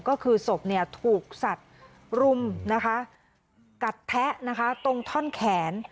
ก็คือศพเนี่ยถูกสัตว์รุมนะคะกัดแทะนะคะตรงท่อนแขน